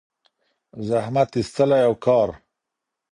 زحمت ایستلی او کار